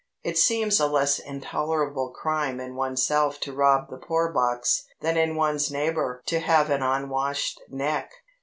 It seems a less intolerable crime in oneself to rob the poor box than in one's neighbour to have an unwashed neck.